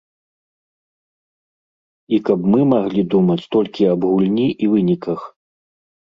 І каб мы маглі думаць толькі аб гульні і выніках.